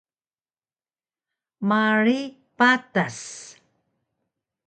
Marig Patas